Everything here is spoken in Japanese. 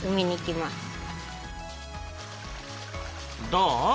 どう？